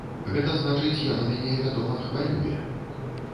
Гэта значыць, яно мяне, вядома, хвалюе.